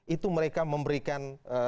itu mereka memberikan